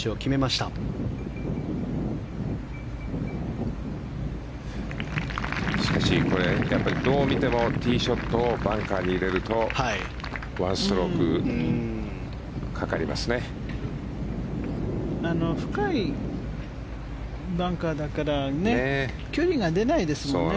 しかし、どう見てもティーショットをバンカーに入れると１ストロークかかりますね。